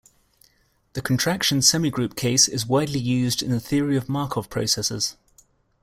The contraction semigroup case is widely used in the theory of Markov processes.